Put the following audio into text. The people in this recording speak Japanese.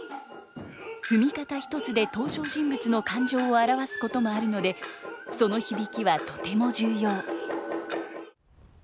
踏み方一つで登場人物の感情を表すこともあるのでその響きはとても重要。